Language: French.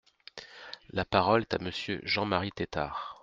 La parole est à Monsieur Jean-Marie Tetart.